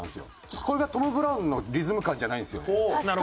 ちょっとこれがトム・ブラウンのリズム感じゃないんですよね。